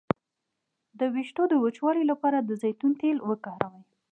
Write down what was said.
د ویښتو د وچوالي لپاره د زیتون تېل وکاروئ